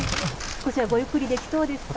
少しはごゆっくりできそうですか。